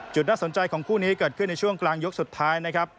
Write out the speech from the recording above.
น่าสนใจของคู่นี้เกิดขึ้นในช่วงกลางยกสุดท้ายนะครับ